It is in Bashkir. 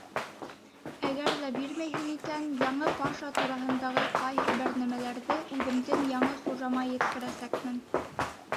Әгәр ҙә бирмәйһең икән, яңы паша тураһындағы ҡайһы бер нәмәләрҙе үҙемдең яңы хужама еткерәсәкмен.